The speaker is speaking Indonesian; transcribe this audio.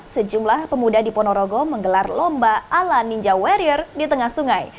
sejumlah pemuda di ponorogo menggelar lomba ala ninja warrior di tengah sungai